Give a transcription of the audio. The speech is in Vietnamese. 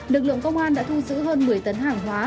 lực lượng công an đã thu giữ hơn một mươi tấn hàng hóa